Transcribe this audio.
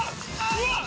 うわっ